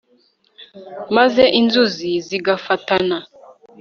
maze inzuzi zigafatana